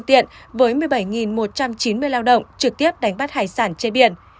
tỉnh nghệ an có chín mươi lao động trực tiếp đánh bắt hải sản trên biển